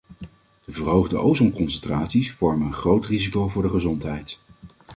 De verhoogde ozonconcentraties vormen een groot risico voor de gezondheid.